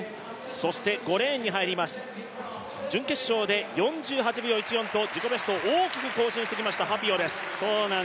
そして５レーンに入ります準決勝で４８秒１４と自己ベストを大きく更新してきたハピオです。